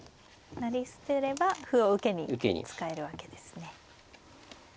成り捨てれば歩を受けに使えるわけですね。